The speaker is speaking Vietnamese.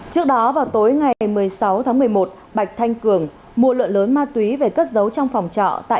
trước đó vào tối ngày một mươi sáu tháng một mươi một bạch thanh cường mua lượng lớn ma túy về cất giấu trong phòng trọ tại